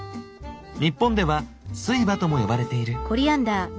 日本ではスイバとも呼ばれている。